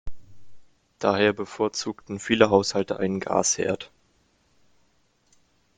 Daher bevorzugten viele Haushalte einen Gasherd.